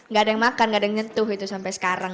nggak ada yang makan nggak ada yang nyentuh itu sampai sekarang